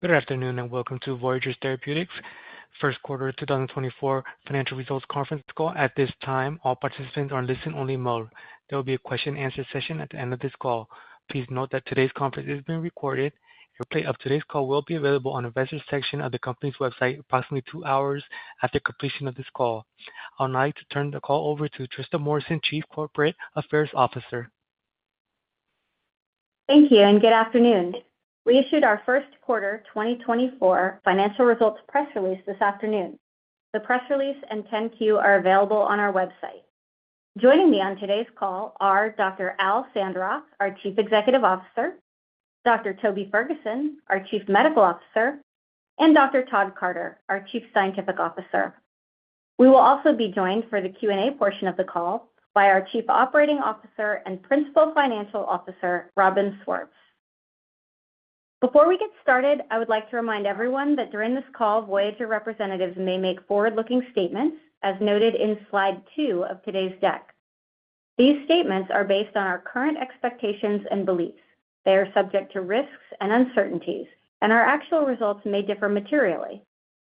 Good afternoon and welcome to Voyager Therapeutics first quarter 2024 financial results conference call. At this time, all participants are in listen-only mode. There will be a question-and-answer session at the end of this call. Please note that today's conference is being recorded. A replay of today's call will be available on the Investors section of the company's website approximately two hours after completion of this call. I would like to turn the call over to Trista Morrison, Chief Corporate Affairs Officer. Thank you, and good afternoon. We issued our first quarter 2024 financial results press release this afternoon. The press release and 10-Q are available on our website. Joining me on today's call are Dr. Al Sandrock, our Chief Executive Officer, Dr. Toby Ferguson, our Chief Medical Officer, and Dr. Todd Carter, our Chief Scientific Officer. We will also be joined for the Q&A portion of the call by our Chief Operating Officer and Principal Financial Officer, Robin Swartz. Before we get started, I would like to remind everyone that during this call, Voyager representatives may make forward-looking statements as noted in slide two of today's deck. These statements are based on our current expectations and beliefs. They are subject to risks and uncertainties, and our actual results may differ materially.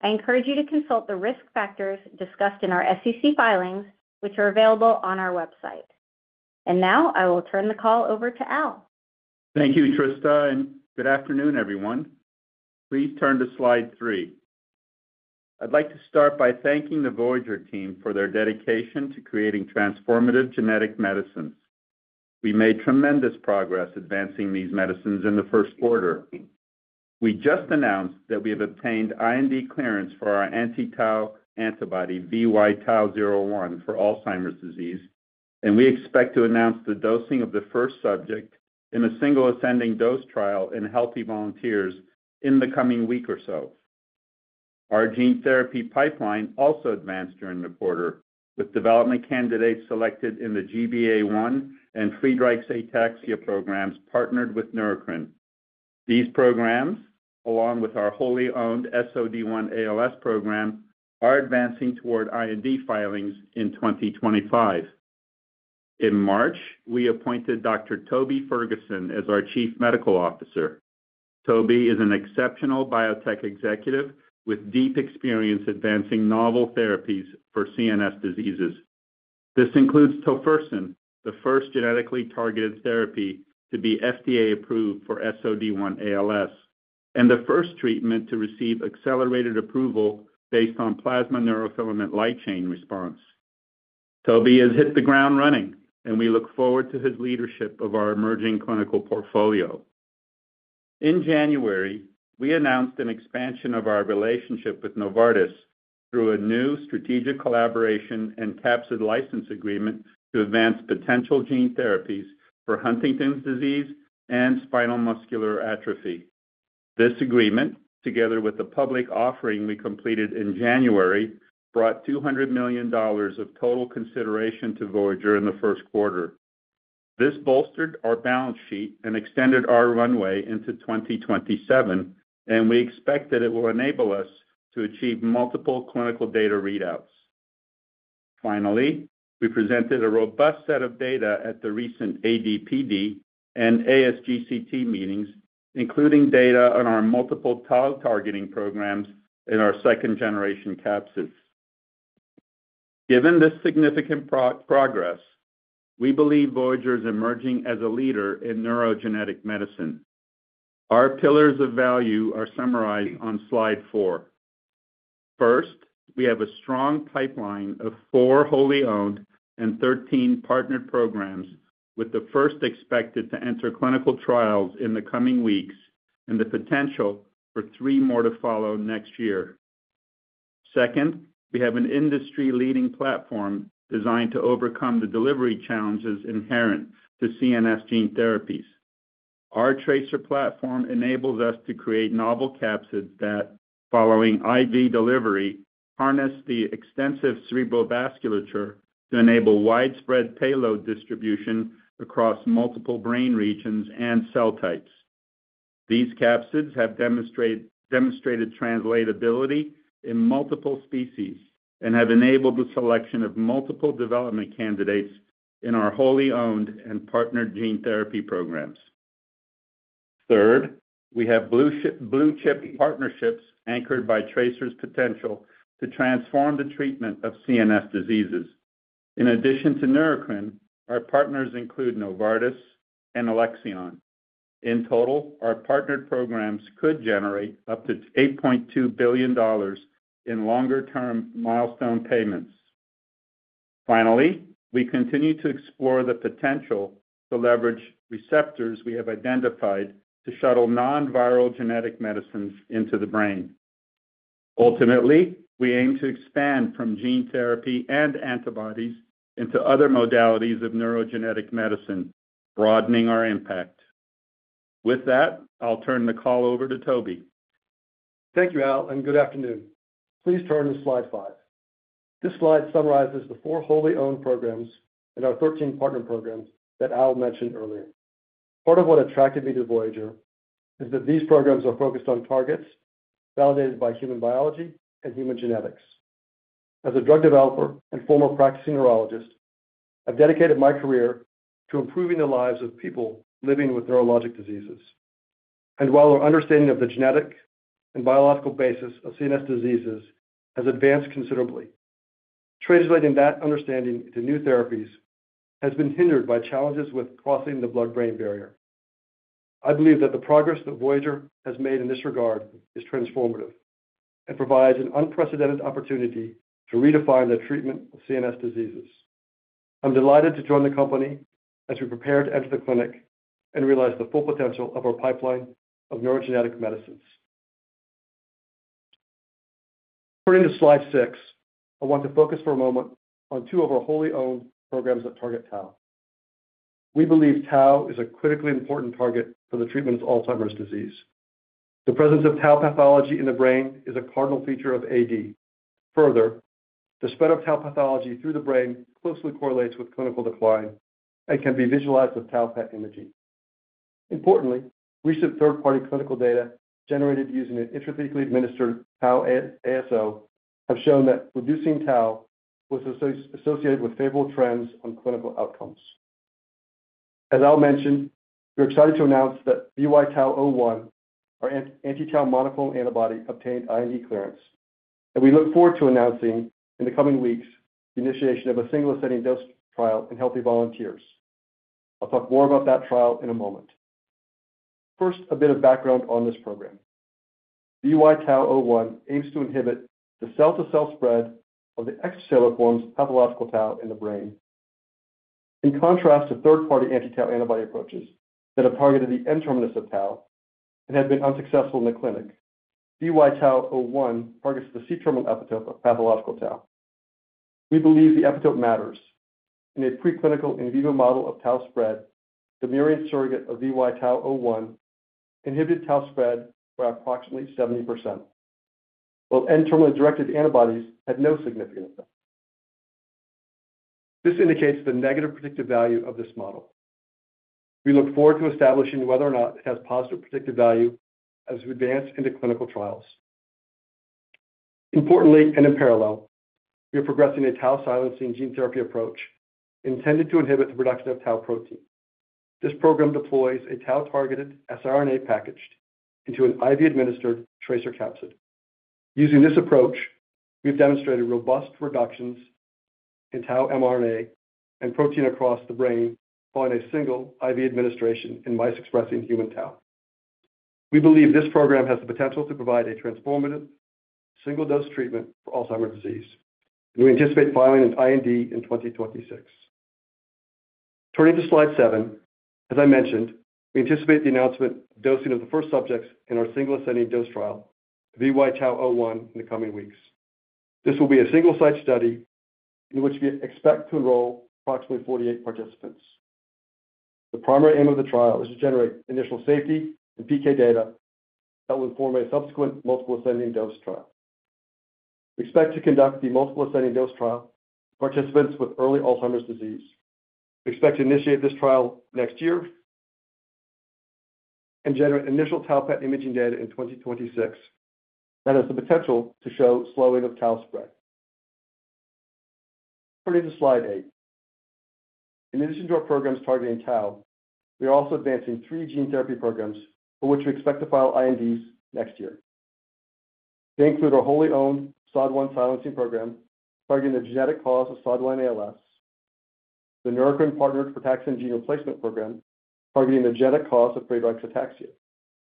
I encourage you to consult the risk factors discussed in our SEC filings, which are available on our website. Now I will turn the call over to Al. Thank you, Trista, and good afternoon, everyone. Please turn to slide three. I'd like to start by thanking the Voyager team for their dedication to creating transformative genetic medicines. We made tremendous progress advancing these medicines in the first quarter. We just announced that we have obtained IND clearance for our anti-tau antibody, VY-TAU01, for Alzheimer's disease, and we expect to announce the dosing of the first subject in a single ascending dose trial in healthy volunteers in the coming week or so. Our gene therapy pipeline also advanced during the quarter, with development candidates selected in the GBA1 and Friedreich's ataxia programs partnered with Neurocrine. These programs, along with our wholly owned SOD1 ALS program, are advancing toward IND filings in 2025. In March, we appointed Dr. Toby Ferguson as our Chief Medical Officer. Toby is an exceptional biotech executive with deep experience advancing novel therapies for CNS diseases. This includes tofersen, the first genetically targeted therapy to be FDA-approved for SOD1 ALS, and the first treatment to receive accelerated approval based on plasma neurofilament light chain response. Toby has hit the ground running, and we look forward to his leadership of our emerging clinical portfolio. In January, we announced an expansion of our relationship with Novartis through a new strategic collaboration and capsid license agreement to advance potential gene therapies for Huntington's disease and spinal muscular atrophy. This agreement, together with the public offering we completed in January, brought $200 million of total consideration to Voyager in the first quarter. This bolstered our balance sheet and extended our runway into 2027, and we expect that it will enable us to achieve multiple clinical data readouts. Finally, we presented a robust set of data at the recent AD/PD and ASGCT meetings, including data on our multiple tau targeting programs in our second-generation capsids. Given this significant progress, we believe Voyager is emerging as a leader in neurogenetic medicine. Our pillars of value are summarized on slide four. First, we have a strong pipeline of 4 wholly owned and 13 partnered programs, with the first expected to enter clinical trials in the coming weeks and the potential for three more to follow next year. Second, we have an industry-leading platform designed to overcome the delivery challenges inherent to CNS gene therapies. Our TRACER platform enables us to create novel capsids that, following IV delivery, harness the extensive cerebrovascular tissue to enable widespread payload distribution across multiple brain regions and cell types. These capsids have demonstrated translatability in multiple species and have enabled the selection of multiple development candidates in our wholly owned and partnered gene therapy programs. Third, we have blue-chip partnerships anchored by TRACER's potential to transform the treatment of CNS diseases. In addition to Neurocrine, our partners include Novartis and Alexion. In total, our partnered programs could generate up to $8.2 billion in longer-term milestone payments. Finally, we continue to explore the potential to leverage receptors we have identified to shuttle non-viral genetic medicines into the brain. Ultimately, we aim to expand from gene therapy and antibodies into other modalities of neurogenetic medicine, broadening our impact. With that, I'll turn the call over to Toby. Thank you, Al, and good afternoon. Please turn to slide five. This slide summarizes the 4 wholly owned programs and our 13 partner programs that Al mentioned earlier. Part of what attracted me to Voyager is that these programs are focused on targets validated by human biology and human genetics. As a drug developer and former practicing neurologist, I've dedicated my career to improving the lives of people living with neurologic diseases. While our understanding of the genetic and biological basis of CNS diseases has advanced considerably, translating that understanding into new therapies has been hindered by challenges with crossing the blood-brain barrier. I believe that the progress that Voyager has made in this regard is transformative and provides an unprecedented opportunity to redefine the treatment of CNS diseases. I'm delighted to join the company as we prepare to enter the clinic and realize the full potential of our pipeline of neurogenetic medicines. Turning to slide six, I want to focus for a moment on two of our wholly owned programs that target tau. We believe tau is a critically important target for the treatment of Alzheimer's disease. The presence of tau pathology in the brain is a cardinal feature of AD. Further, the spread of tau pathology through the brain closely correlates with clinical decline and can be visualized with tau PET imaging. Importantly, recent third-party clinical data generated using an intrathecally administered tau ASO have shown that reducing tau was associated with favorable trends on clinical outcomes. As Al mentioned, we're excited to announce that VY-TAU01, our anti-tau monoclonal antibody, obtained IND clearance, and we look forward to announcing in the coming weeks the initiation of a single ascending dose trial in healthy volunteers. I'll talk more about that trial in a moment. First, a bit of background on this program. VY-TAU01 aims to inhibit the cell-to-cell spread of the extracellular forms pathological tau in the brain. In contrast to third-party anti-tau antibody approaches that have targeted the N-terminus of tau and have been unsuccessful in the clinic, VY-TAU01 targets the C-terminal epitope of pathological tau. We believe the epitope matters. In a preclinical in vivo model of tau spread, the murine surrogate of VY-TAU01 inhibited tau spread by approximately 70%, while N-terminally directed antibodies had no significant effect. This indicates the negative predictive value of this model. We look forward to establishing whether or not it has positive predictive value as we advance into clinical trials. Importantly, and in parallel, we are progressing a tau silencing gene therapy approach intended to inhibit the production of tau protein. This program deploys a tau-targeted siRNA packaged into an IV-administered TRACER capsid. Using this approach, we've demonstrated robust reductions in tau mRNA and protein across the brain following a single IV administration in mice expressing human tau. We believe this program has the potential to provide a transformative single-dose treatment for Alzheimer's disease, and we anticipate filing an IND in 2026. Turning to slide seven, as I mentioned, we anticipate the announcement of dosing of the first subjects in our single ascending dose trial, VY-TAU01, in the coming weeks. This will be a single-site study in which we expect to enroll approximately 48 participants. The primary aim of the trial is to generate initial safety and PK data that will inform a subsequent multiple ascending dose trial. We expect to conduct the multiple ascending dose trial with participants with early Alzheimer's disease. We expect to initiate this trial next year and generate initial tau PET imaging data in 2026 that has the potential to show slowing of tau spread. Turning to slide eight. In addition to our programs targeting tau, we are also advancing three gene therapy programs for which we expect to file INDs next year. They include our wholly owned SOD1 silencing program targeting the genetic cause of SOD1 ALS, the Neurocrine partnered frataxin gene replacement program targeting the genetic cause of Friedreich's ataxia,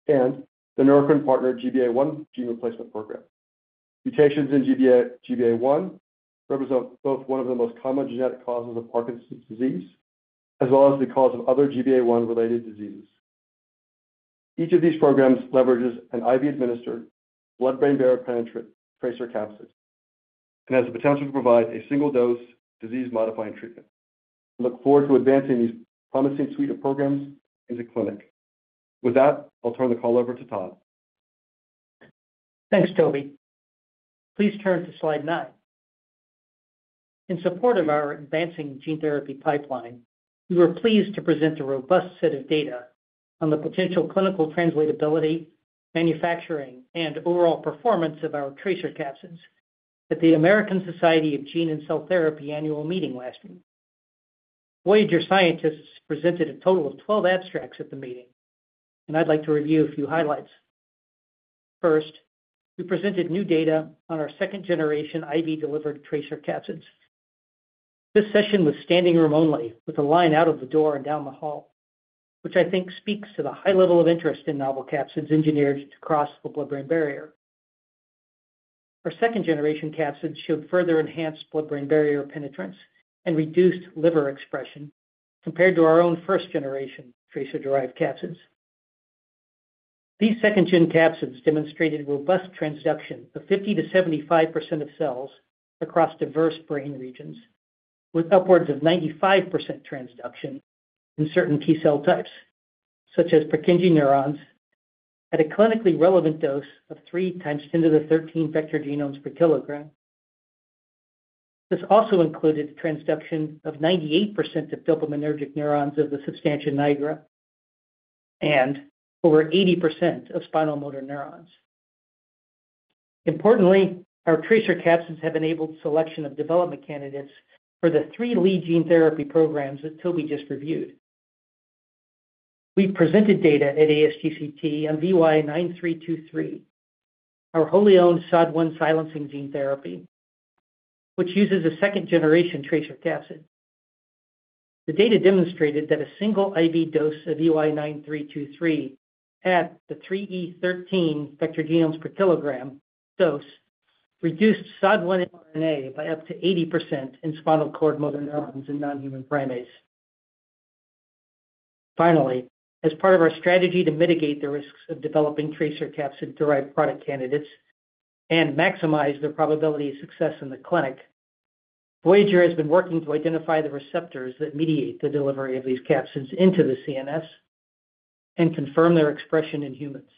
and the Neurocrine partnered GBA1 gene replacement program. Mutations in GBA1 represent both one of the most common genetic causes of Parkinson's disease as well as the cause of other GBA1-related diseases. Each of these programs leverages an IV-administered blood-brain barrier penetrating TRACER capsid and has the potential to provide a single-dose disease-modifying treatment. We look forward to advancing this promising suite of programs into clinic. With that, I'll turn the call over to Todd. Thanks, Toby. Please turn to slide nine. In support of our advancing gene therapy pipeline, we were pleased to present a robust set of data on the potential clinical translatability, manufacturing, and overall performance of our TRACER capsids at the American Society of Gene and Cell Therapy annual meeting last week. Voyager scientists presented a total of 12 abstracts at the meeting, and I'd like to review a few highlights. First, we presented new data on our second-generation IV-delivered TRACER capsids. This session was standing room only, with a line out of the door and down the hall, which I think speaks to the high level of interest in novel capsids engineered to cross the blood-brain barrier. Our second-generation capsids showed further enhanced blood-brain barrier penetrance and reduced liver expression compared to our own first-generation TRACER-derived capsids. These second-gen capsids demonstrated robust transduction of 50%-75% of cells across diverse brain regions, with upwards of 95% transduction in certain key cell types, such as Purkinje neurons, at a clinically relevant dose of 3x10^13 vector genomes per kilogram. This also included transduction of 98% of dopaminergic neurons of the substantia nigra and over 80% of spinal motor neurons. Importantly, our TRACER capsids have enabled selection of development candidates for the three lead gene therapy programs that Toby just reviewed. We presented data at ASGCT on VY9323, our wholly owned SOD1 silencing gene therapy, which uses a second-generation TRACER capsid. The data demonstrated that a single IV dose of VY9323 at the 3x10^13 vector genomes per kilogram dose reduced SOD1 mRNA by up to 80% in spinal cord motor neurons in non-human primates. Finally, as part of our strategy to mitigate the risks of developing TRACER capsid-derived product candidates and maximize the probability of success in the clinic, Voyager has been working to identify the receptors that mediate the delivery of these capsids into the CNS and confirm their expression in humans.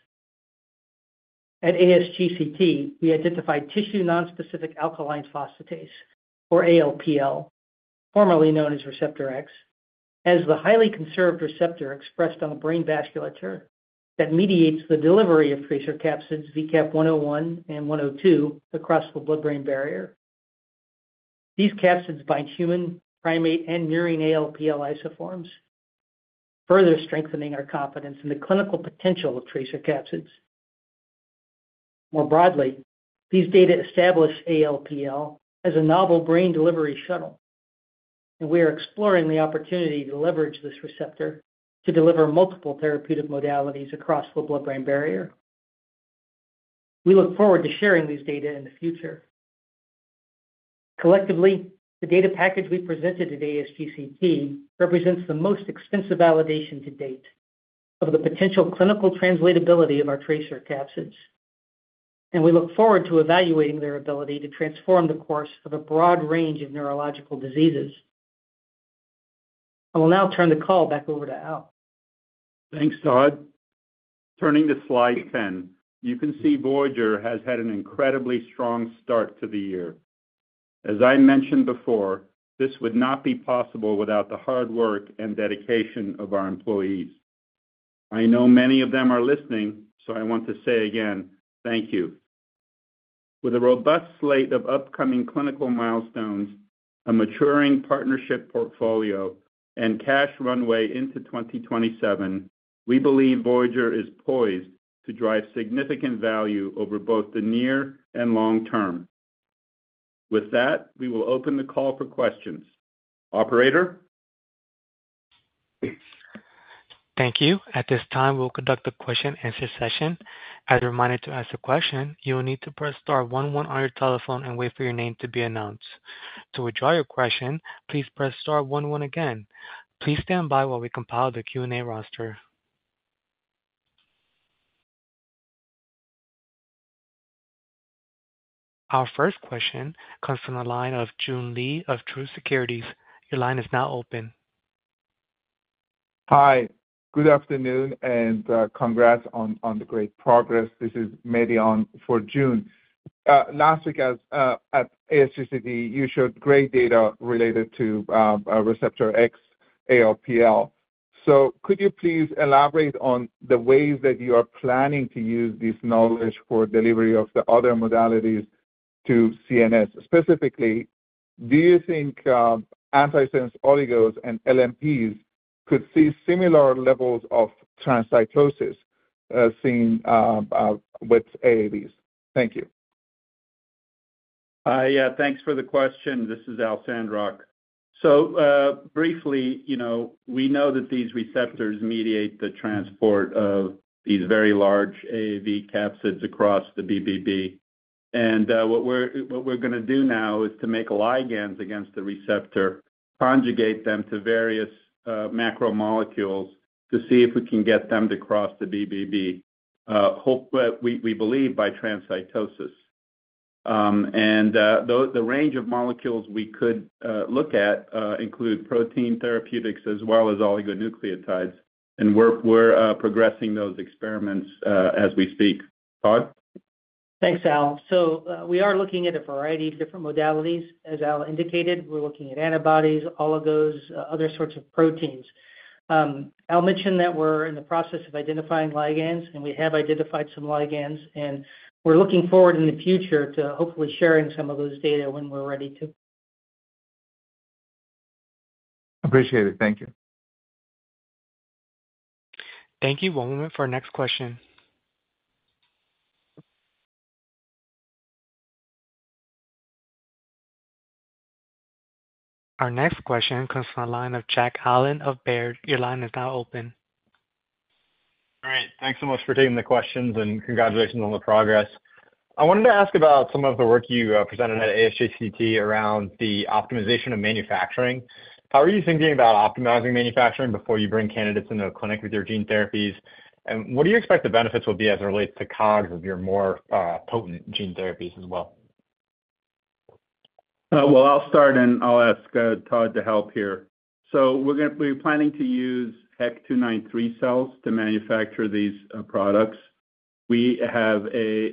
At ASGCT, we identified tissue-nonspecific alkaline phosphatase, or ALPL, formerly known as Receptor X, as the highly conserved receptor expressed on the brain vasculature that mediates the delivery of TRACER capsids VCAP-101 and VCAP-102 across the blood-brain barrier. These capsids bind human, primate, and murine ALPL isoforms, further strengthening our confidence in the clinical potential of TRACER capsids. More broadly, these data establish ALPL as a novel brain delivery shuttle, and we are exploring the opportunity to leverage this receptor to deliver multiple therapeutic modalities across the blood-brain barrier. We look forward to sharing these data in the future. Collectively, the data package we presented at ASGCT represents the most extensive validation to date of the potential clinical translatability of our TRACER capsids, and we look forward to evaluating their ability to transform the course of a broad range of neurological diseases. I will now turn the call back over to Al. Thanks, Todd. Turning to slide 10. You can see Voyager has had an incredibly strong start to the year. As I mentioned before, this would not be possible without the hard work and dedication of our employees. I know many of them are listening, so I want to say again, thank you. With a robust slate of upcoming clinical milestones, a maturing partnership portfolio, and cash runway into 2027, we believe Voyager is poised to drive significant value over both the near and long term. With that, we will open the call for questions. Operator? Thank you. At this time, we'll conduct the question-and-answer session. As a reminder to ask a question, you will need to press star one one on your telephone and wait for your name to be announced. To withdraw your question, please press star one one again. Please stand by while we compile the Q&A roster. Our first question comes from the line of Joon Lee of Truist Securities. Your line is now open. Hi. Good afternoon and congrats on the great progress. This is Mehdi on for Joon. Last week, at ASGCT, you showed great data related to Receptor X, ALPL. So could you please elaborate on the ways that you are planning to use this knowledge for delivery of the other modalities to CNS? Specifically, do you think antisense oligos and LNPs could see similar levels of transcytosis seen with AAVs? Thank you. Yeah, thanks for the question. This is Al Sandrock. So briefly, we know that these receptors mediate the transport of these very large AAV capsids across the BBB. And what we're going to do now is to make ligands against the receptor, conjugate them to various macromolecules to see if we can get them to cross the BBB, we believe, by transcytosis. And the range of molecules we could look at includes protein therapeutics as well as oligonucleotides, and we're progressing those experiments as we speak. Todd? Thanks, Al. So we are looking at a variety of different modalities. As Al indicated, we're looking at antibodies, oligos, other sorts of proteins. Al mentioned that we're in the process of identifying ligands, and we have identified some ligands, and we're looking forward in the future to hopefully sharing some of those data when we're ready to. Appreciate it. Thank you. Thank you. One moment for our next question. Our next question comes from the line of Jack Allen of Baird. Your line is now open. All right. Thanks so much for taking the questions, and congratulations on the progress. I wanted to ask about some of the work you presented at ASGCT around the optimization of manufacturing. How are you thinking about optimizing manufacturing before you bring candidates into the clinic with your gene therapies, and what do you expect the benefits will be as it relates to COGS of your more potent gene therapies as well? Well, I'll start, and I'll ask Todd to help here. So we're planning to use HEK293 cells to manufacture these products. We have a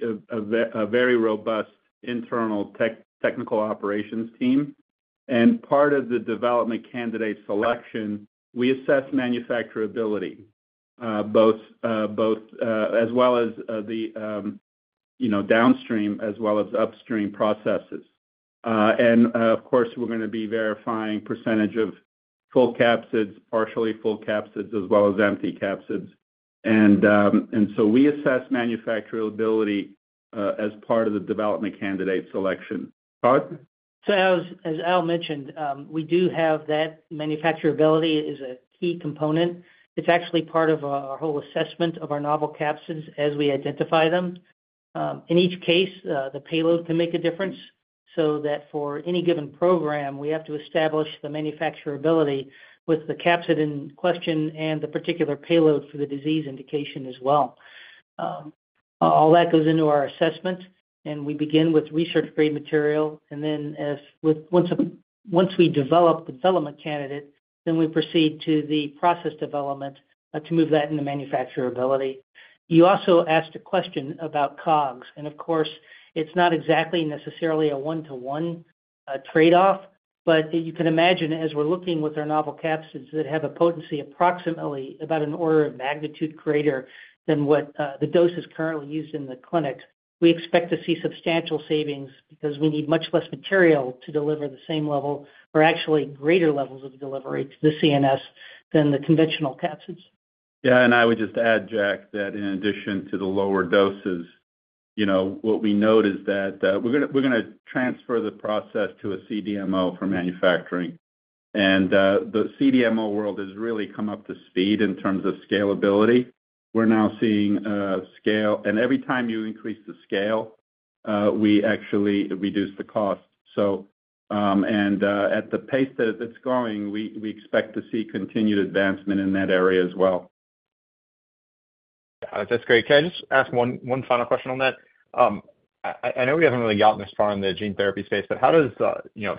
very robust internal technical operations team. And part of the development candidate selection, we assess manufacturability as well as the downstream as well as upstream processes. And of course, we're going to be verifying percentage of full capsids, partially full capsids, as well as empty capsids. And so we assess manufacturability as part of the development candidate selection. Todd? So as Al mentioned, we do have that manufacturability is a key component. It's actually part of our whole assessment of our novel capsids as we identify them. In each case, the payload can make a difference. So that for any given program, we have to establish the manufacturability with the capsid in question and the particular payload for the disease indication as well. All that goes into our assessment, and we begin with research-grade material. And then once we develop the development candidate, then we proceed to the process development to move that into manufacturability. You also asked a question about COGS. And of course, it's not exactly necessarily a one-to-one trade-off, but you can imagine as we're looking with our novel capsids that have a potency approximately about an order of magnitude greater than what the dose is currently used in the clinic, we expect to see substantial savings because we need much less material to deliver the same level or actually greater levels of delivery to the CNS than the conventional capsids. Yeah. I would just add, Jack, that in addition to the lower doses, what we note is that we're going to transfer the process to a CDMO for manufacturing. The CDMO world has really come up to speed in terms of scalability. We're now seeing scale, and every time you increase the scale, we actually reduce the cost. At the pace that it's going, we expect to see continued advancement in that area as well. Yeah. That's great. Can I just ask one final question on that? I know we haven't really gotten this far in the gene therapy space, but how does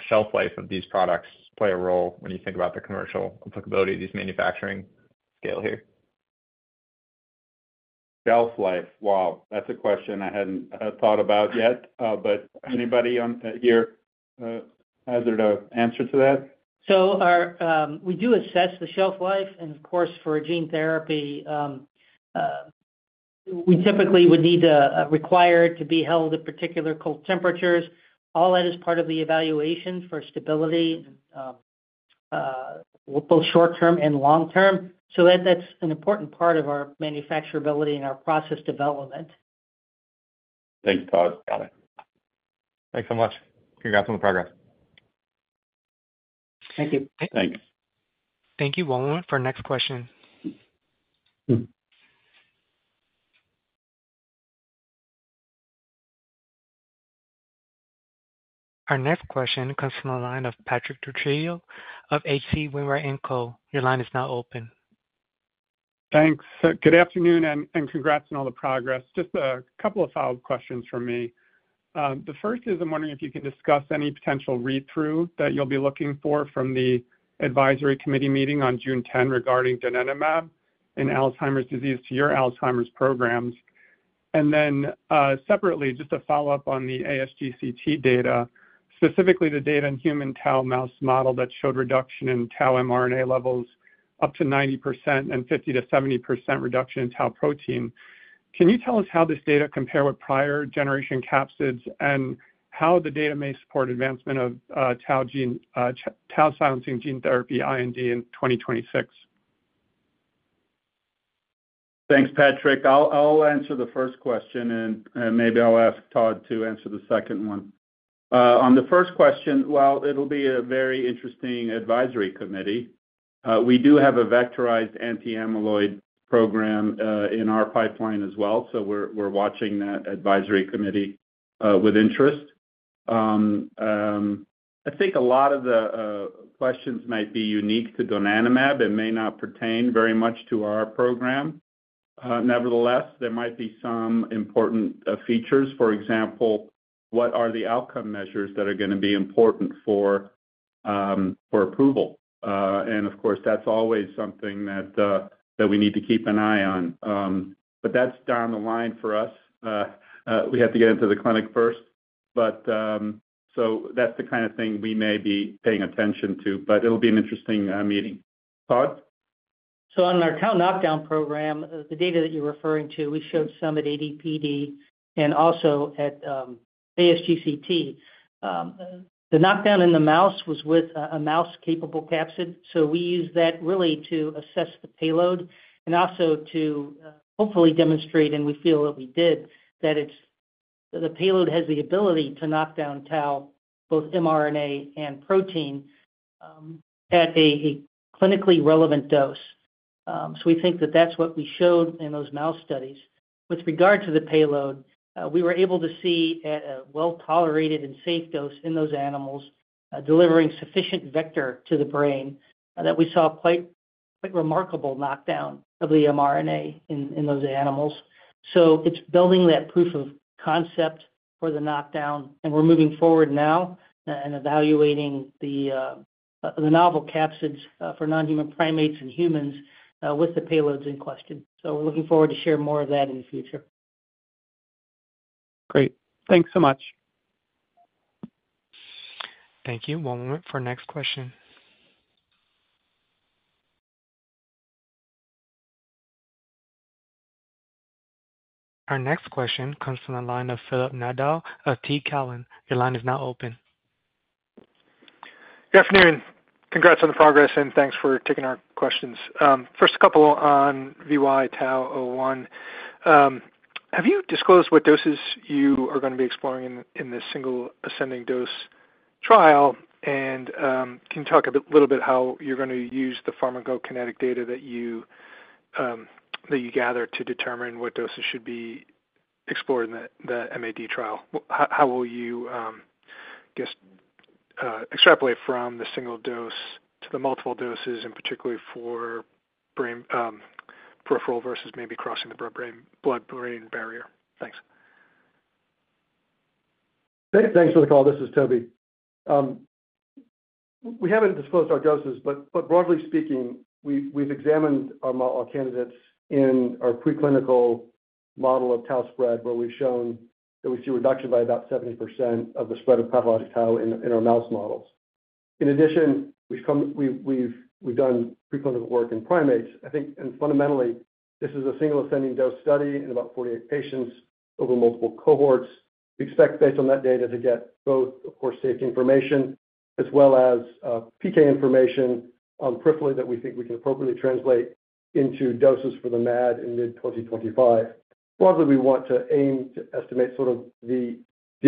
shelf life of these products play a role when you think about the commercial applicability of these manufacturing scale here? Shelf life. Wow, that's a question I hadn't thought about yet. But anybody here has an answer to that? We do assess the shelf life. Of course, for a gene therapy, we typically would need to require it to be held at particular cold temperatures. All that is part of the evaluation for stability, both short-term and long-term. That's an important part of our manufacturability and our process development. Thanks, Todd. Got it. Thanks so much. Congrats on the progress. Thank you. Thanks. Thank you. One moment for our next question. Our next question comes from the line of Patrick Trucchio of H.C. Wainwright & Co. Your line is now open. Thanks. Good afternoon and congrats on all the progress. Just a couple of follow-up questions from me. The first is I'm wondering if you can discuss any potential read-through that you'll be looking for from the advisory committee meeting on June 10 regarding donanemab in Alzheimer's disease to your Alzheimer's programs. And then separately, just a follow-up on the ASGCT data, specifically the data in human tau mouse model that showed reduction in tau mRNA levels up to 90% and 50%-70% reduction in tau protein. Can you tell us how this data compare with prior generation capsids and how the data may support advancement of tau silencing gene therapy IND in 2026? Thanks, Patrick. I'll answer the first question, and maybe I'll ask Todd to answer the second one. On the first question, well, it'll be a very interesting advisory committee. We do have a vectorized anti-amyloid program in our pipeline as well, so we're watching that advisory committee with interest. I think a lot of the questions might be unique to donanemab and may not pertain very much to our program. Nevertheless, there might be some important features. For example, what are the outcome measures that are going to be important for approval? And of course, that's always something that we need to keep an eye on. But that's down the line for us. We have to get into the clinic first. So that's the kind of thing we may be paying attention to, but it'll be an interesting meeting. Todd? So on our tau knockdown program, the data that you're referring to, we showed some at AD/PD and also at ASGCT. The knockdown in the mouse was with a mouse-capable capsid. So we use that really to assess the payload and also to hopefully demonstrate, and we feel that we did, that the payload has the ability to knock down tau, both mRNA and protein, at a clinically relevant dose. So we think that that's what we showed in those mouse studies. With regard to the payload, we were able to see at a well-tolerated and safe dose in those animals delivering sufficient vector to the brain that we saw quite remarkable knockdown of the mRNA in those animals. So it's building that proof of concept for the knockdown, and we're moving forward now and evaluating the novel capsids for non-human primates and humans with the payloads in question. We're looking forward to sharing more of that in the future. Great. Thanks so much. Thank you. One moment for our next question. Our next question comes from the line of Phil Nadeau of TD Cowen. Your line is now open. Good afternoon. Congrats on the progress, and thanks for taking our questions. First couple on VY-TAU01. Have you disclosed what doses you are going to be exploring in this single ascending dose trial? And can you talk a little bit how you're going to use the pharmacokinetic data that you gather to determine what doses should be explored in the MAD trial? How will you, I guess, extrapolate from the single dose to the multiple doses, and particularly for peripheral versus maybe crossing the blood-brain barrier? Thanks. Thanks for the call. This is Toby. We haven't disclosed our doses, but broadly speaking, we've examined our candidates in our preclinical model of tau spread where we've shown that we see reduction by about 70% of the spread of pathologic tau in our mouse models. In addition, we've done preclinical work in primates. I think, fundamentally, this is a single ascending dose study in about 48 patients over multiple cohorts. We expect, based on that data, to get both, of course, safety information as well as PK information peripherally that we think we can appropriately translate into doses for the MAD in mid-2025. Broadly, we want to aim to estimate sort of the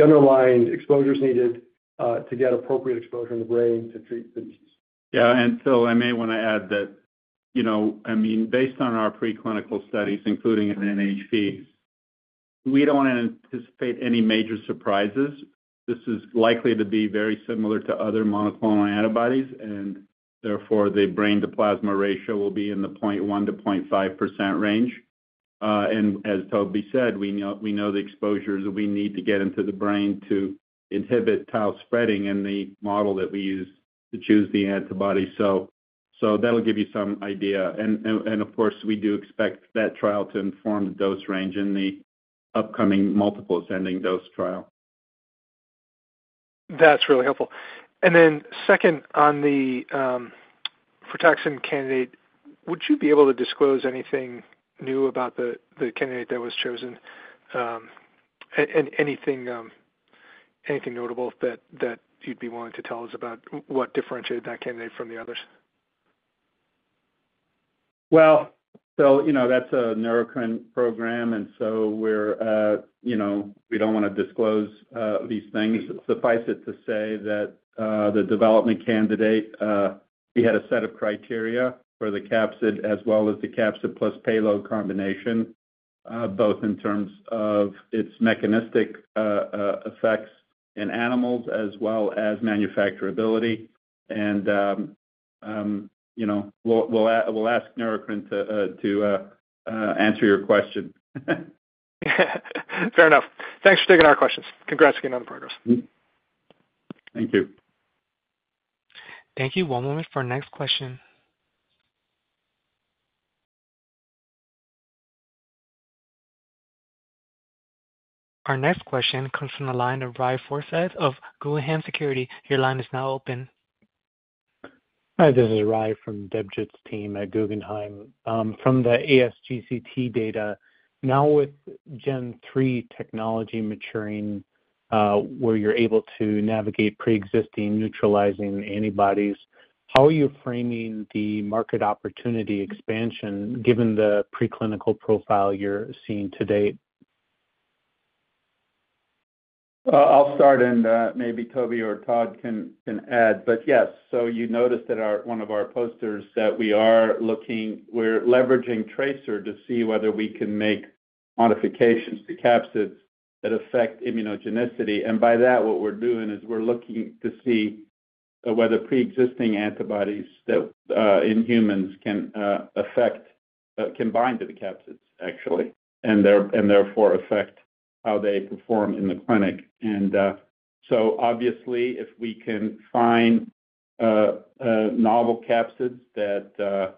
underlying exposures needed to get appropriate exposure in the brain to treat the disease. Yeah. And Phil, I may want to add that, I mean, based on our preclinical studies, including at NHPs, we don't want to anticipate any major surprises. This is likely to be very similar to other monoclonal antibodies, and therefore, the brain-to-plasma ratio will be in the 0.1%-0.5% range. And as Toby said, we know the exposures that we need to get into the brain to inhibit tau spreading in the model that we use to choose the antibody. So that'll give you some idea. And of course, we do expect that trial to inform the dose range in the upcoming multiple ascending dose trial. That's really helpful. And then second, on the frataxin candidate, would you be able to disclose anything new about the candidate that was chosen? Anything notable that you'd be willing to tell us about what differentiated that candidate from the others? Well, so that's a Neurocrine program, and so we don't want to disclose these things. Suffice it to say that the development candidate, we had a set of criteria for the capsid as well as the capsid-plus-payload combination, both in terms of its mechanistic effects in animals as well as manufacturability. And we'll ask Neurocrine to answer your question. Fair enough. Thanks for taking our questions. Congrats again on the progress. Thank you. Thank you. One moment for our next question. Our next question comes from the line of Ry Forseth of Guggenheim Securities. Your line is now open. Hi. This is Ry from Debjit's team at Guggenheim. From the ASGCT data, now with Gen 3 technology maturing where you're able to navigate pre-existing neutralizing antibodies, how are you framing the market opportunity expansion given the preclinical profile you're seeing to date? I'll start, and maybe Toby or Todd can add. But yes, so you noticed at one of our posters that we are looking, we're leveraging TRACER to see whether we can make modifications to capsids that affect immunogenicity. And by that, what we're doing is we're looking to see whether pre-existing antibodies in humans can bind to the capsids, actually, and therefore affect how they perform in the clinic. And so obviously, if we can find novel capsids that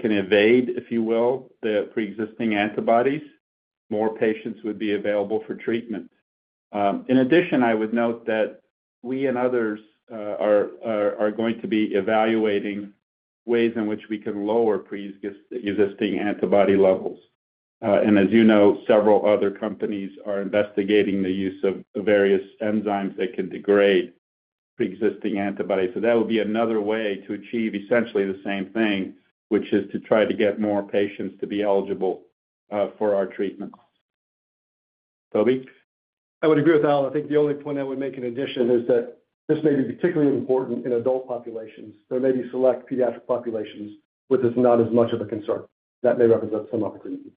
can evade, if you will, the pre-existing antibodies, more patients would be available for treatment. In addition, I would note that we and others are going to be evaluating ways in which we can lower pre-existing antibody levels. And as you know, several other companies are investigating the use of various enzymes that can degrade pre-existing antibodies. So that would be another way to achieve essentially the same thing, which is to try to get more patients to be eligible for our treatments. Toby? I would agree with Al. I think the only point I would make in addition is that this may be particularly important in adult populations. There may be select pediatric populations where this is not as much of a concern. That may represent some opportunity.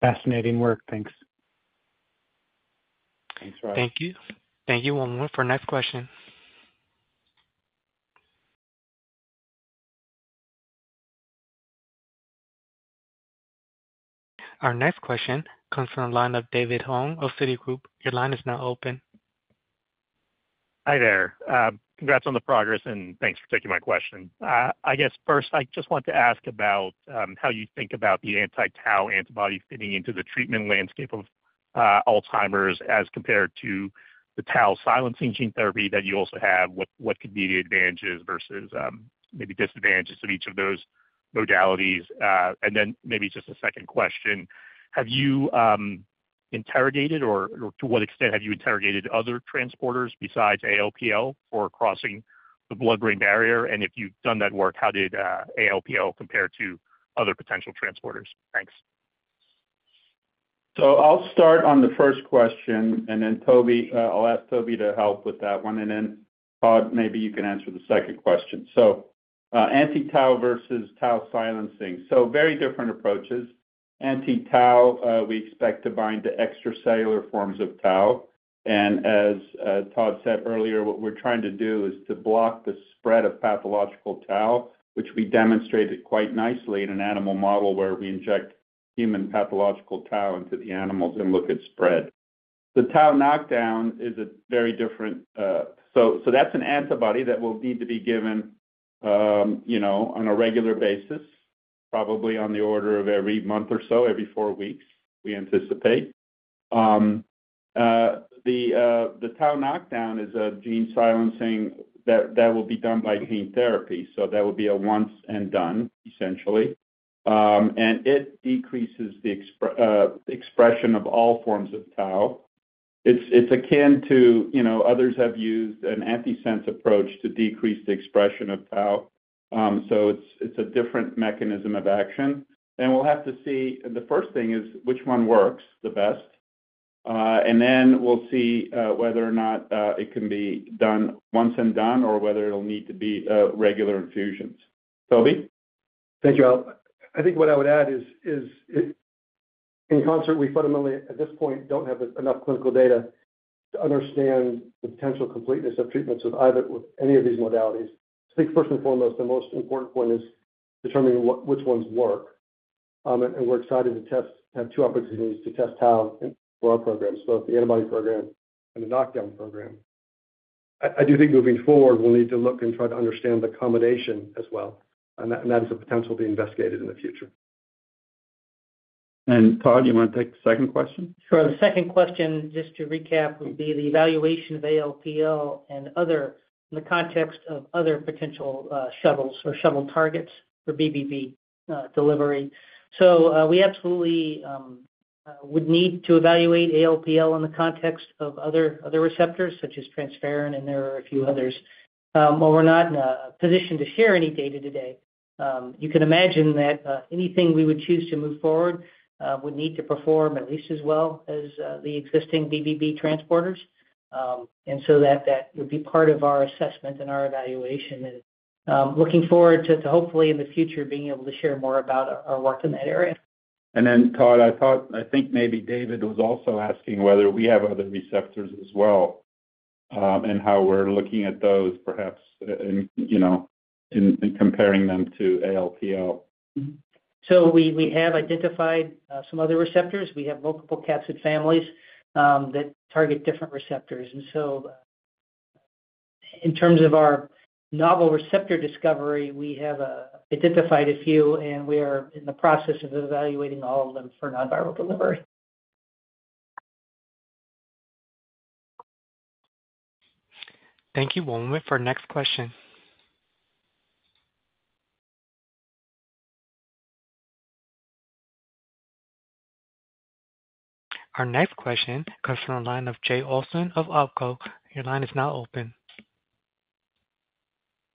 Fascinating work. Thanks. Thanks, Ry. Thank you. Thank you. One moment for our next question. Our next question comes from the line of David Hoang of Citigroup. Your line is now open. Hi there. Congrats on the progress, and thanks for taking my question. I guess first, I just want to ask about how you think about the anti-tau antibody fitting into the treatment landscape of Alzheimer's as compared to the tau silencing gene therapy that you also have. What could be the advantages versus maybe disadvantages of each of those modalities? And then maybe just a second question. Have you interrogated, or to what extent have you interrogated other transporters besides ALPL for crossing the blood-brain barrier? And if you've done that work, how did ALPL compare to other potential transporters? Thanks. So I'll start on the first question, and then Toby, I'll ask Toby to help with that one. And then Todd, maybe you can answer the second question. So anti-tau versus tau silencing. So very different approaches. Anti-tau, we expect to bind to extracellular forms of tau. And as Todd said earlier, what we're trying to do is to block the spread of pathological tau, which we demonstrated quite nicely in an animal model where we inject human pathological tau into the animals and look at spread. The tau knockdown is a very different, so that's an antibody that will need to be given on a regular basis, probably on the order of every month or so, every four weeks, we anticipate. The tau knockdown is a gene silencing that will be done by gene therapy. So that will be a once-and-done, essentially. It decreases the expression of all forms of tau. It's akin to others have used an antisense approach to decrease the expression of tau. It's a different mechanism of action. We'll have to see the first thing is which one works the best. Then we'll see whether or not it can be done once-and-done or whether it'll need to be regular infusions. Toby? Thank you, Al. I think what I would add is in concert, we fundamentally, at this point, don't have enough clinical data to understand the potential completeness of treatments with either any of these modalities. I think first and foremost, the most important point is determining which ones work. And we're excited to have two opportunities to test tau for our programs, both the antibody program and the knockdown program. I do think moving forward, we'll need to look and try to understand the combination as well. And that is a potential to be investigated in the future. Todd, you want to take the second question? Sure. The second question, just to recap, would be the evaluation of ALPL in the context of other potential shuttles or shuttle targets for BBB delivery. So we absolutely would need to evaluate ALPL in the context of other receptors such as transferrin, and there are a few others. While we're not in a position to share any data today, you can imagine that anything we would choose to move forward would need to perform at least as well as the existing BBB transporters. And so that would be part of our assessment and our evaluation. And looking forward to, hopefully, in the future, being able to share more about our work in that area. And then Todd, I think maybe David was also asking whether we have other receptors as well and how we're looking at those, perhaps, and comparing them to ALPL. So we have identified some other receptors. We have multiple capsid families that target different receptors. So in terms of our novel receptor discovery, we have identified a few, and we are in the process of evaluating all of them for non-viral delivery. Thank you. One moment for our next question. Our next question comes from the line of Jay Olson of Oppenheimer & Co.. Your line is now open.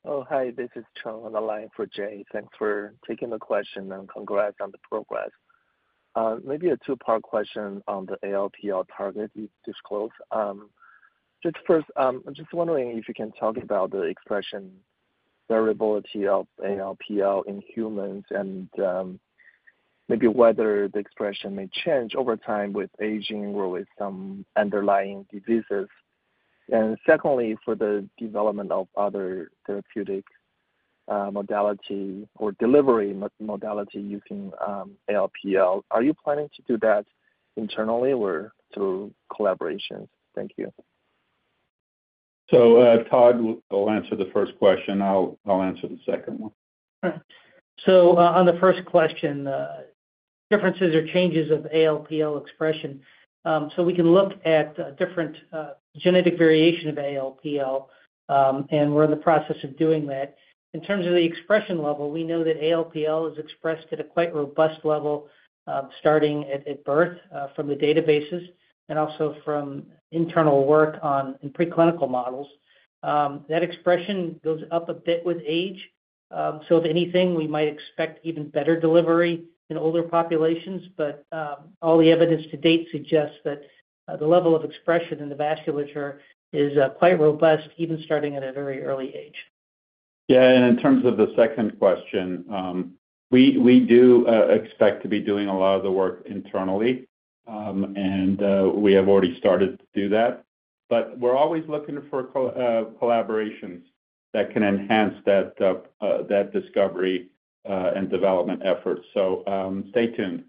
Oh, hi. This is Chung on the line for Jay. Thanks for taking the question, and congrats on the progress. Maybe a two-part question on the ALPL target you've disclosed. Just first, I'm just wondering if you can talk about the expression variability of ALPL in humans and maybe whether the expression may change over time with aging or with some underlying diseases. And secondly, for the development of other therapeutic modality or delivery modality using ALPL, are you planning to do that internally or through collaborations? Thank you. Todd will answer the first question. I'll answer the second one. All right. So on the first question, differences or changes of ALPL expression. So we can look at different genetic variation of ALPL, and we're in the process of doing that. In terms of the expression level, we know that ALPL is expressed at a quite robust level starting at birth from the databases and also from internal work in preclinical models. That expression goes up a bit with age. So if anything, we might expect even better delivery in older populations. But all the evidence to date suggests that the level of expression in the vasculature is quite robust even starting at a very early age. Yeah. In terms of the second question, we do expect to be doing a lot of the work internally, and we have already started to do that. But we're always looking for collaborations that can enhance that discovery and development effort. Stay tuned.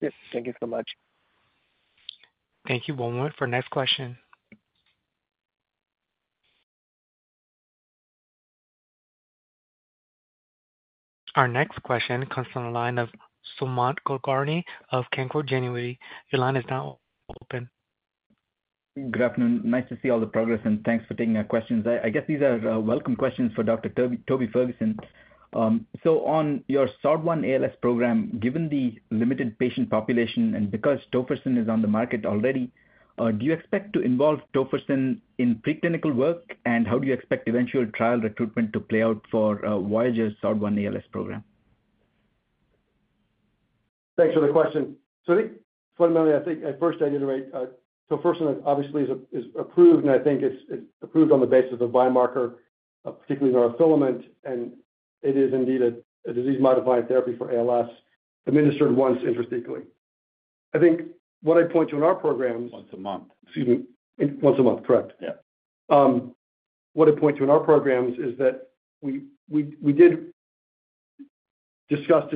Yes. Thank you so much. Thank you. One moment for our next question. Our next question comes from the line of Sumant Kulkarni of Canaccord Genuity. Your line is now open. Good afternoon. Nice to see all the progress, and thanks for taking our questions. I guess these are welcome questions for Dr. Toby Ferguson. So on your SOD1 ALS program, given the limited patient population and because tofersen is on the market already, do you expect to involve tofersen in preclinical work, and how do you expect eventual trial recruitment to play out for Voyager's SOD1 ALS program? Thanks for the question. So fundamentally, I think first, I'd reiterate. Tofersen, obviously, is approved, and I think it's approved on the basis of a biomarker, particularly neurofilament. And it is indeed a disease-modifying therapy for ALS administered once intrathecally. I think what I point to in our programs. Once a month. Excuse me. Once a month. Correct. Yeah. What I point to in our programs is that we did discuss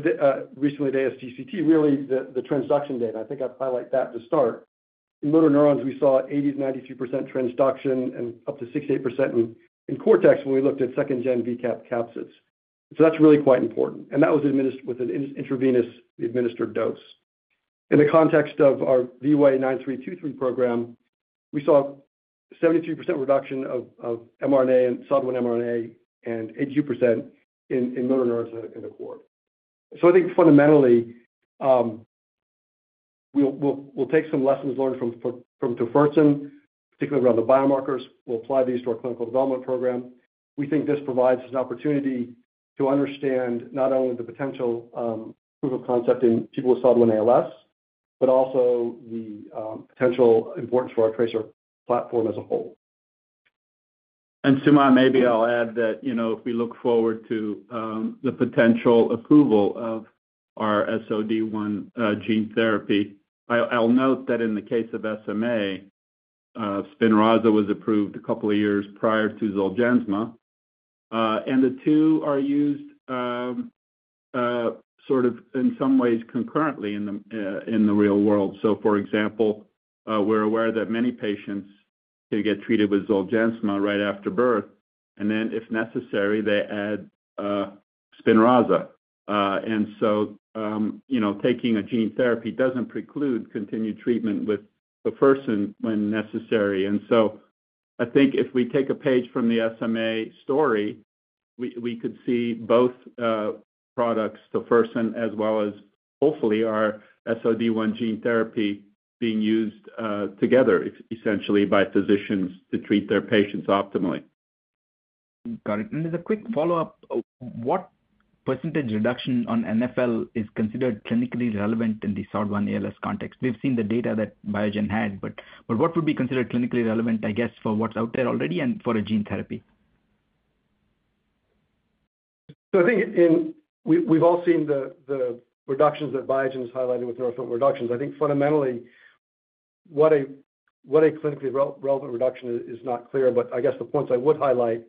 recently at ASGCT, really, the transduction data. I think I'll highlight that to start. In motor neurons, we saw 80%-93% transduction and up to 68% in cortex when we looked at second-gen VCAP capsids. So that's really quite important. And that was administered with an intravenously administered dose. In the context of our VY9323 program, we saw a 73% reduction of SOD1 mRNA and 82% in motor neurons in the cord. So I think fundamentally, we'll take some lessons learned from tofersen, particularly around the biomarkers. We'll apply these to our clinical development program. We think this provides an opportunity to understand not only the potential proof of concept in people with SOD1 ALS but also the potential importance for our TRACER platform as a whole. Sumant, maybe I'll add that if we look forward to the potential approval of our SOD1 gene therapy, I'll note that in the case of SMA, Spinraza was approved a couple of years prior to Zolgensma. The two are used sort of in some ways concurrently in the real world. For example, we're aware that many patients can get treated with Zolgensma right after birth, and then if necessary, they add Spinraza. Taking a gene therapy doesn't preclude continued treatment with tofersen when necessary. I think if we take a page from the SMA story, we could see both products, tofersen, as well as hopefully our SOD1 gene therapy, being used together, essentially, by physicians to treat their patients optimally. Got it. And as a quick follow-up, what percentage reduction on NfL is considered clinically relevant in the SOD1 ALS context? We've seen the data that Biogen had, but what would be considered clinically relevant, I guess, for what's out there already and for a gene therapy? So I think we've all seen the reductions that Biogen has highlighted with neurofilament reductions. I think fundamentally, what a clinically relevant reduction is not clear. But I guess the points I would highlight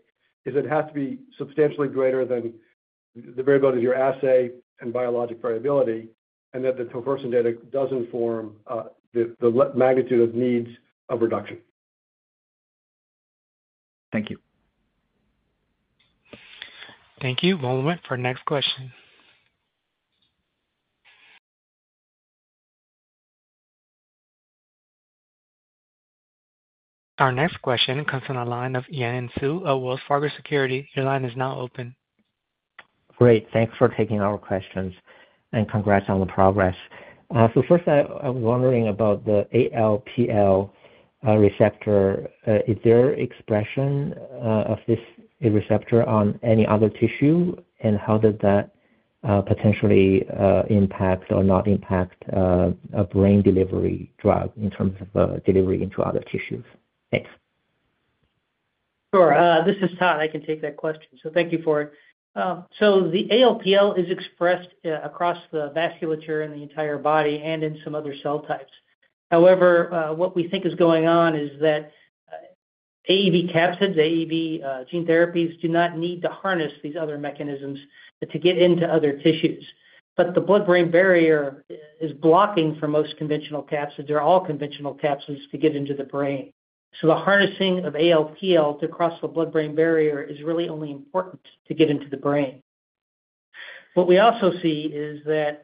is it has to be substantially greater than the variability of your assay and biologic variability and that the tofersen data does inform the magnitude of reduction needed. Thank you. Thank you. One moment for our next question. Our next question comes from the line of Yanan Zhu of Wells Fargo Securities. Your line is now open. Great. Thanks for taking our questions, and congrats on the progress. So first, I was wondering about the ALPL receptor. Is there expression of this receptor on any other tissue, and how does that potentially impact or not impact a brain delivery drug in terms of delivery into other tissues? Thanks. Sure. This is Todd. I can take that question. So thank you for it. So the ALPL is expressed across the vasculature in the entire body and in some other cell types. However, what we think is going on is that AAV capsids, AAV gene therapies, do not need to harness these other mechanisms to get into other tissues. But the blood-brain barrier is blocking for most conventional capsids, or all conventional capsids, to get into the brain. So the harnessing of ALPL to cross the blood-brain barrier is really only important to get into the brain. What we also see is that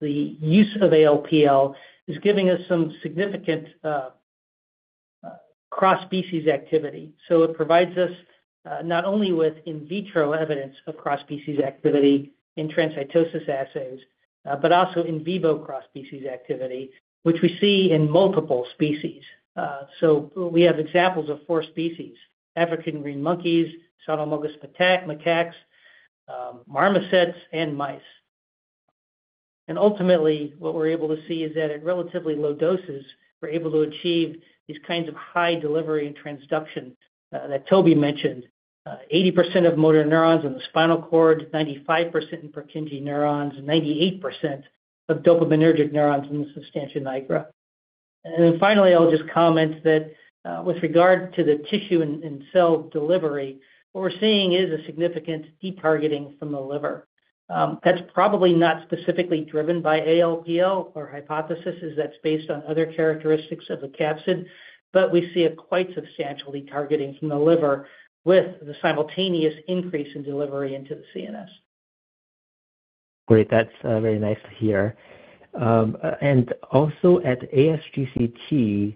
the use of ALPL is giving us some significant cross-species activity. So it provides us not only with in vitro evidence of cross-species activity in transcytosis assays but also in vivo cross-species activity, which we see in multiple species. So we have examples of four species: African green monkeys, cynomolgus macaques, marmosets, and mice. And ultimately, what we're able to see is that at relatively low doses, we're able to achieve these kinds of high delivery and transduction that Toby mentioned: 80% of motor neurons in the spinal cord, 95% in Purkinje neurons, 98% of dopaminergic neurons in the substantia nigra. And then finally, I'll just comment that with regard to the tissue and cell delivery, what we're seeing is a significant detargeting from the liver. That's probably not specifically driven by ALPL. Our hypothesis is that's based on other characteristics of the capsid. But we see a quite substantial detargeting from the liver with the simultaneous increase in delivery into the CNS. Great. That's very nice to hear. And also at ASGCT,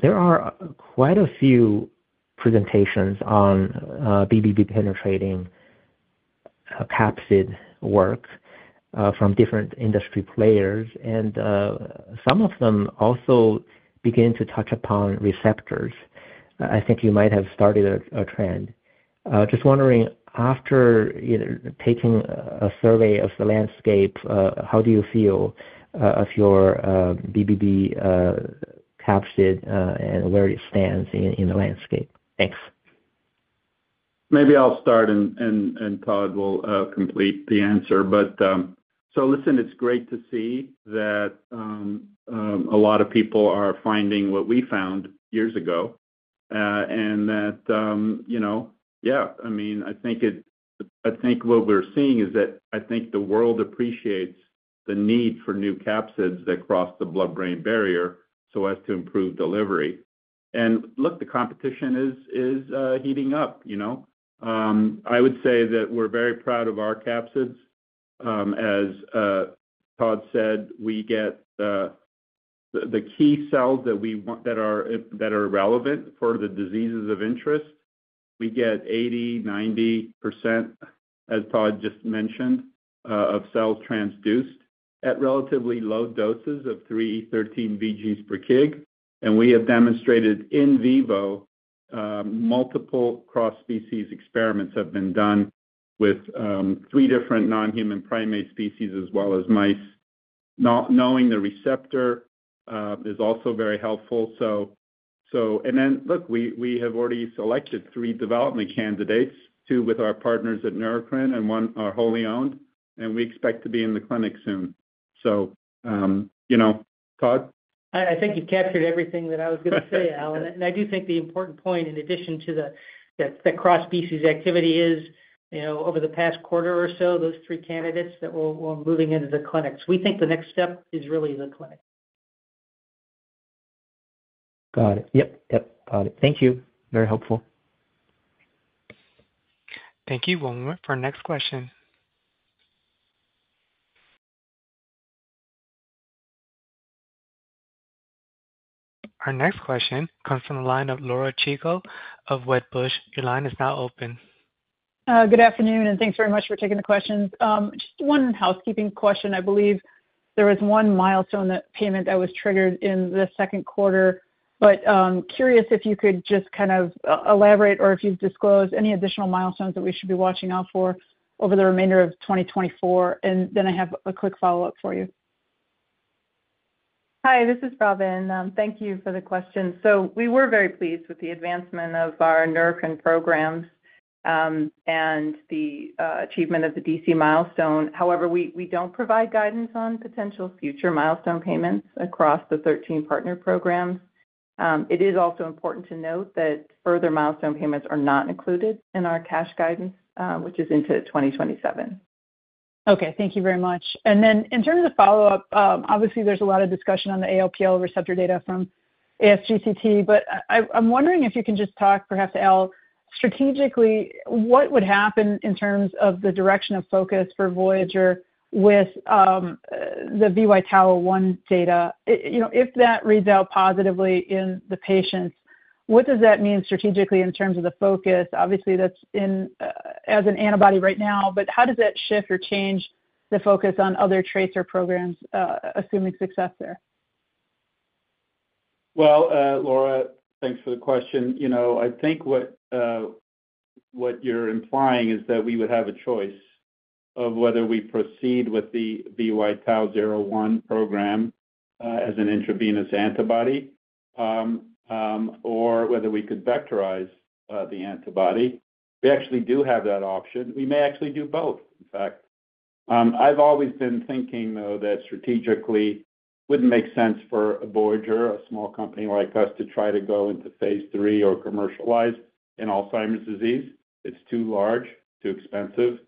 there are quite a few presentations on BBB penetrating capsid work from different industry players. And some of them also begin to touch upon receptors. I think you might have started a trend. Just wondering, after taking a survey of the landscape, how do you feel of your BBB capsid and where it stands in the landscape? Thanks. Maybe I'll start, and Todd will complete the answer. But so listen, it's great to see that a lot of people are finding what we found years ago and that yeah, I mean, I think what we're seeing is that I think the world appreciates the need for new capsids that cross the blood-brain barrier so as to improve delivery. And look, the competition is heating up. I would say that we're very proud of our capsids. As Todd said, we get the key cells that are relevant for the diseases of interest. We get 80%-90%, as Todd just mentioned, of cells transduced at relatively low doses of 3x10^13 VGs per kg. And we have demonstrated in vivo multiple cross-species experiments have been done with 3 different non-human primate species as well as mice. Knowing the receptor is also very helpful. And then look, we have already selected three development candidates, two with our partners at Neurocrine and one is wholly owned. We expect to be in the clinic soon. So Todd? I think you've captured everything that I was going to say, Al. And I do think the important point, in addition to the cross-species activity, is over the past quarter or so, those three candidates that we're moving into the clinics. We think the next step is really the clinic. Got it. Yep. Yep. Got it. Thank you. Very helpful. Thank you. One moment for our next question. Our next question comes from the line of Laura Chico of Wedbush. Your line is now open. Good afternoon, and thanks very much for taking the questions. Just one housekeeping question. I believe there was one milestone payment that was triggered in the second quarter. But curious if you could just kind of elaborate or if you've disclosed any additional milestones that we should be watching out for over the remainder of 2024. And then I have a quick follow-up for you. Hi. This is Robin. Thank you for the question. So we were very pleased with the advancement of our Neurocrine programs and the achievement of the DC milestone. However, we don't provide guidance on potential future milestone payments across the 13 partner programs. It is also important to note that further milestone payments are not included in our cash guidance, which is into 2027. Okay. Thank you very much. And then in terms of follow-up, obviously, there's a lot of discussion on the ALPL receptor data from ASGCT. But I'm wondering if you can just talk, perhaps to Al, strategically, what would happen in terms of the direction of focus for Voyager with the VY-TAU01 data? If that reads out positively in the patients, what does that mean strategically in terms of the focus? Obviously, that's as an antibody right now. But how does that shift or change the focus on other TRACER programs, assuming success there? Well, Laura, thanks for the question. I think what you're implying is that we would have a choice of whether we proceed with the VY-TAU01 program as an intravenous antibody or whether we could vectorize the antibody. We actually do have that option. We may actually do both, in fact. I've always been thinking, though, that strategically, it wouldn't make sense for a Voyager, a small company like us, to try to go into phase III or commercialize in Alzheimer's disease. It's too large, too expensive.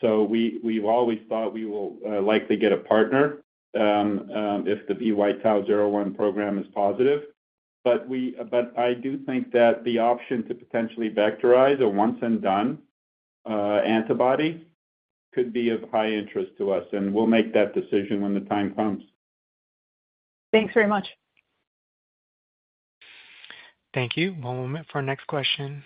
So we've always thought we will likely get a partner if the VY-TAU01 program is positive. But I do think that the option to potentially vectorize a once-and-done antibody could be of high interest to us. And we'll make that decision when the time comes. Thanks very much. Thank you. One moment for our next question.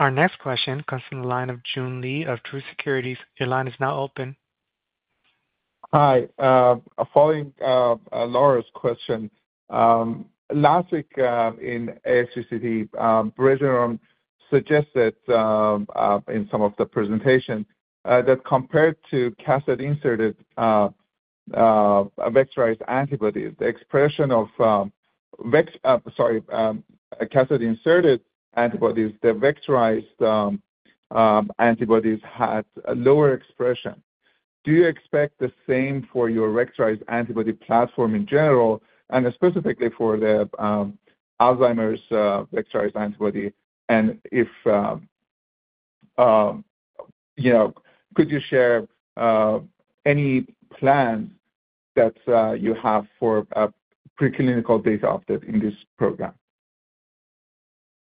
Our next question comes from the line of Joon Lee of Truist Securities. Your line is now open. Hi. Following Laura's question, last week in ASGCT, Regeneron suggested in some of the presentation that compared to cassette-inserted vectorized antibodies, the expression of, sorry, cassette-inserted antibodies, the vectorized antibodies had lower expression. Do you expect the same for your vectorized antibody platform in general and specifically for the Alzheimer's vectorized antibody? Could you share any plans that you have for a preclinical data update in this program?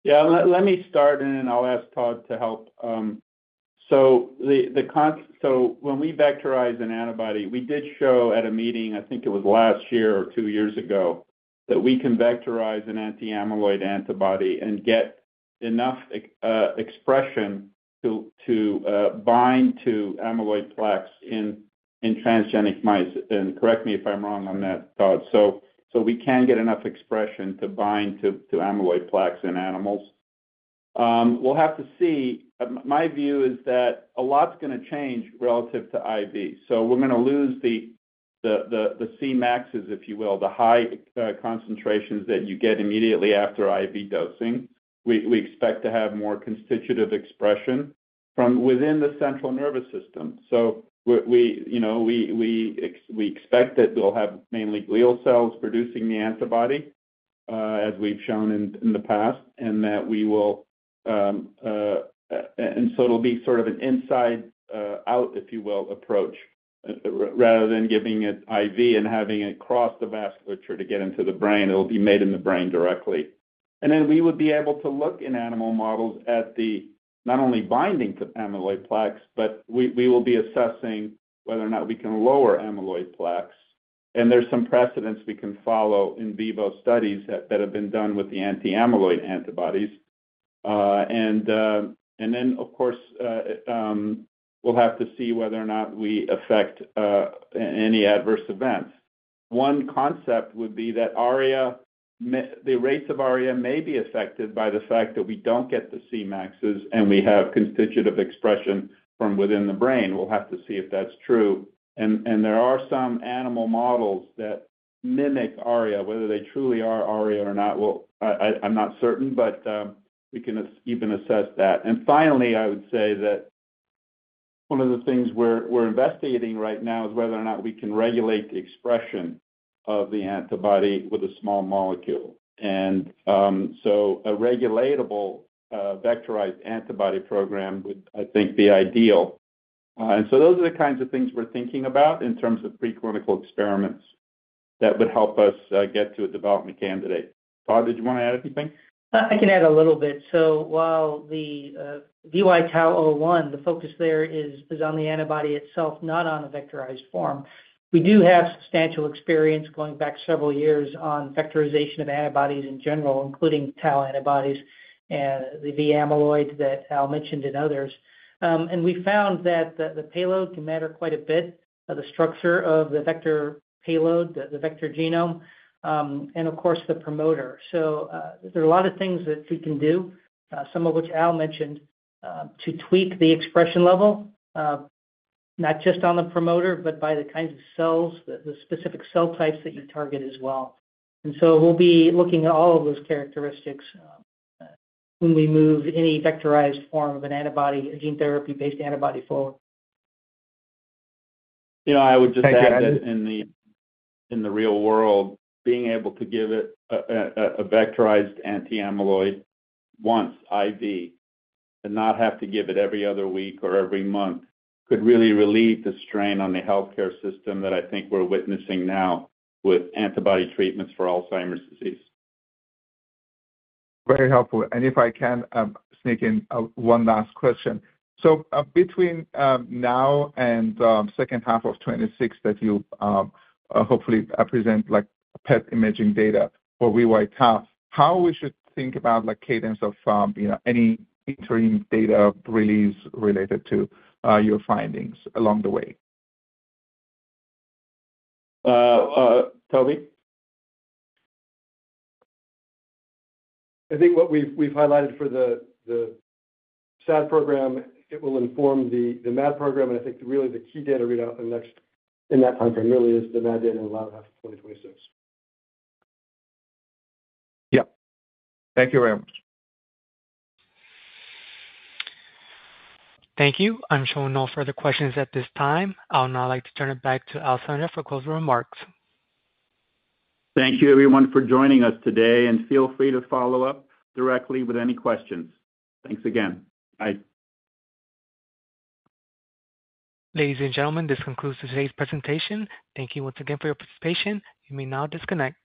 Yeah. Let me start, and then I'll ask Todd to help. So when we vectorize an antibody, we did show at a meeting, I think it was last year or two years ago, that we can vectorize an anti-amyloid antibody and get enough expression to bind to amyloid plaques in transgenic mice. And correct me if I'm wrong on that, Todd. So we can get enough expression to bind to amyloid plaques in animals. We'll have to see. My view is that a lot's going to change relative to IV. So we're going to lose the Cmaxes, if you will, the high concentrations that you get immediately after IV dosing. We expect to have more constitutive expression from within the central nervous system. So we expect that we'll have mainly glial cells producing the antibody as we've shown in the past and that we will and so it'll be sort of an inside-out, if you will, approach rather than giving it IV and having it cross the vasculature to get into the brain. It'll be made in the brain directly. And then we would be able to look in animal models at not only binding to amyloid plaques, but we will be assessing whether or not we can lower amyloid plaques. And there's some precedents we can follow in vivo studies that have been done with the anti-amyloid antibodies. And then, of course, we'll have to see whether or not we affect any adverse events. One concept would be that the rates of ARIA may be affected by the fact that we don't get the Cmaxes and we have constitutive expression from within the brain. We'll have to see if that's true. There are some animal models that mimic ARIA. Whether they truly are ARIA or not, well, I'm not certain. But we can even assess that. Finally, I would say that one of the things we're investigating right now is whether or not we can regulate the expression of the antibody with a small molecule. And so a regulable vectorized antibody program would, I think, be ideal. And so those are the kinds of things we're thinking about in terms of preclinical experiments that would help us get to a development candidate. Todd, did you want to add anything? I can add a little bit. So while the VY-TAU01, the focus there is on the antibody itself, not on a vectorized form, we do have substantial experience going back several years on vectorization of antibodies in general, including tau antibodies and the amyloid that Al mentioned and others. And we found that the payload can matter quite a bit, the structure of the vector payload, the vector genome, and of course, the promoter. So there are a lot of things that we can do, some of which Al mentioned, to tweak the expression level, not just on the promoter but by the kinds of cells, the specific cell types that you target as well. And so we'll be looking at all of those characteristics when we move any vectorized form of a gene therapy-based antibody forward. I would just add that in the real world, being able to give it a vectorized anti-amyloid once IV and not have to give it every other week or every month could really relieve the strain on the healthcare system that I think we're witnessing now with antibody treatments for Alzheimer's disease. Very helpful. If I can sneak in one last question. Between now and second half of 2026 that you hopefully present PET imaging data for VY-TAU01, how we should think about cadence of any interim data release related to your findings along the way. Toby? I think what we've highlighted for the SAD program, it will inform the MAD program. I think really the key data readout in that timeframe really is the MAD data in the latter half of 2026. Yep. Thank you very much. Thank you. I'm showing no further questions at this time. I'll now like to turn it back to Al Sandrock for closing remarks. Thank you, everyone, for joining us today. Feel free to follow up directly with any questions. Thanks again. Bye. Ladies and gentlemen, this concludes today's presentation. Thank you once again for your participation. You may now disconnect.